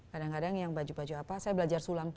kadang kadang yang baju baju apa saya belajar sulam